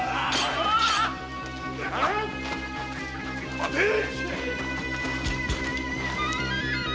待てい‼